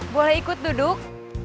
boleh ikut duduk